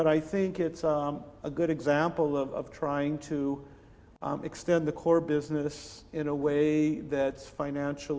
tapi saya pikir ini adalah contoh yang baik untuk mencoba untuk membangun bisnis core dengan cara yang berkembang ke finansial